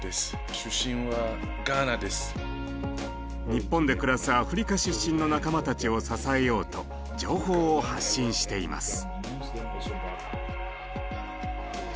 日本で暮らすアフリカ出身の仲間たちを支えようと情報を発信しています。